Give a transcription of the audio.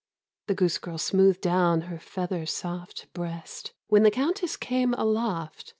'* The goosegirl smoothed down her feather soft Breast ...." When the Countess came aloft.